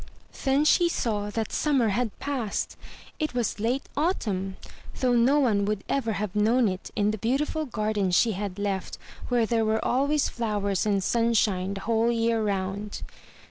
Then she saw that 312 THROUGH FAIRY HALLS summer had passed; it was late autumn, though no one would ever have known it in the beautiful garden she had left where there were always flowers and simshine the whole year round.